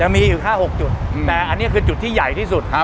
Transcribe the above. มีอยู่แค่๖จุดแต่อันนี้คือจุดที่ใหญ่ที่สุด